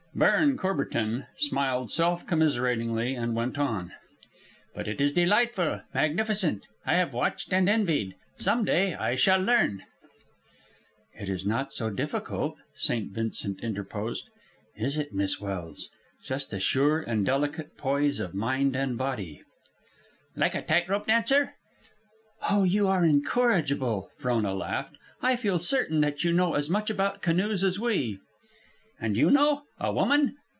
Baron Courbertin smiled self commiseratingly and went on. "But it is delightful, magnificent. I have watched and envied. Some day I shall learn." "It is not so difficult," St. Vincent interposed. "Is it, Miss Welse? Just a sure and delicate poise of mind and body " "Like the tight rope dancer?" "Oh, you are incorrigible," Frona laughed. "I feel certain that you know as much about canoes as we." "And you know? a woman?"